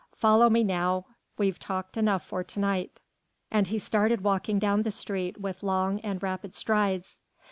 Follow me now, we've talked enough for to night." And he started walking down the street with long and rapid strides.